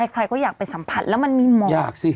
ใครก็อยากไปสัมพันธ์แล้วมันมีหมอก